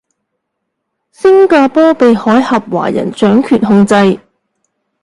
星加坡被海峽華人掌權控制